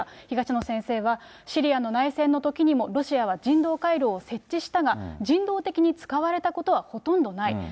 東野先生は、シリアの内戦のときにもロシアは人道回廊を設置したが、人道的に使われたことはほとんどない。